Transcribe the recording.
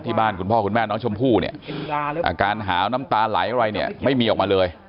ที่บ้านคุณพ่อคุณแม่น้องชมพู่เนี่ยอาการหาวน้ำตาไหลอะไรเนี่ยไม่มีออกมาเลย